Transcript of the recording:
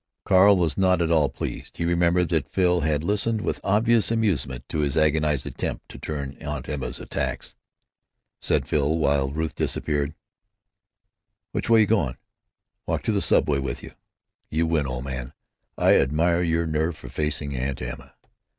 Carl was not at all pleased. He remembered that Phil had listened with obvious amusement to his agonized attempt to turn Aunt Emma's attacks. Said Phil, while Ruth disappeared: "Which way you going? Walk to the subway with you. You win, old man. I admire your nerve for facing Aunt Emma.